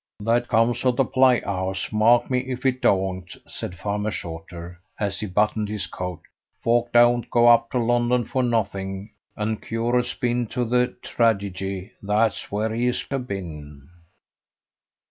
"That comes of the play house, mark me if it do'ent," said Farmer Shorter, as he buttoned his coat. "Folk do'ent go up to London for notheng, an' curat's been to the tradigy that's where he's a'been."